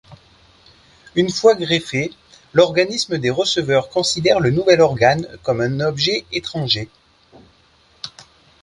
Une fois greffé, l'organisme des receveurs considère le nouvel organe comme un objet étranger.